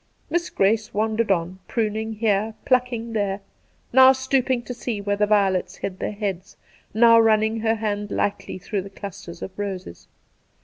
Miss Grace wandered on, pruning here, plucking there, now stooping to see where the violets hid their heads, now running her hand lightly through the clusters of roses.